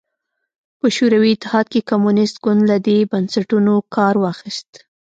په شوروي اتحاد کې کمونېست ګوند له دې بنسټونو کار واخیست